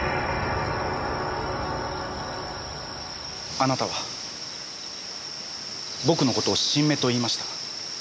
あなたは僕の事を「新芽」と言いました。